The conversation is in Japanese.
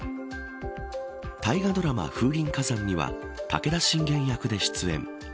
大河ドラマ、風林火山には武田信玄役で出演。